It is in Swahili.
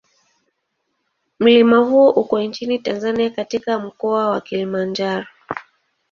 Mlima huo uko nchini Tanzania katika Mkoa wa Kilimanjaro.